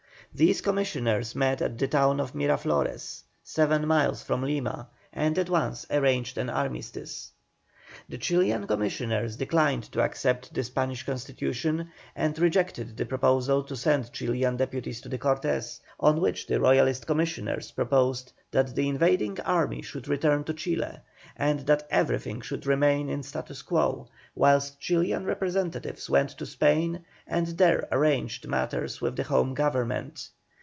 These commissioners met at the town of Miraflores, seven miles from Lima, and at once arranged an armistice. The Chilian commissioners declined to accept the Spanish Constitution, and rejected the proposal to send Chilian deputies to the Cortes, on which the Royalist commissioners proposed that the invading army should return to Chile, and that everything should remain in statu quo, whilst Chilian representatives went to Spain and there arranged matters with the Home Government.